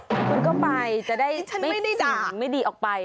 คุณก็ไปจะได้สิ่งไม่ดีออกไปนี่ฉันไม่ได้ด่า